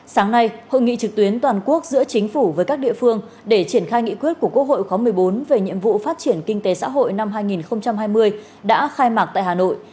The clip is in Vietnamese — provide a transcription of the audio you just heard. sáng nay hội nghị trực tuyến toàn quốc giữa chính phủ với các địa phương để triển khai nghị quyết của quốc hội khóa một mươi bốn về nhiệm vụ phát triển kinh tế xã hội năm hai nghìn hai mươi đã khai mạc tại hà nội